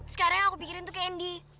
sekarang yang aku pikirin tuh candy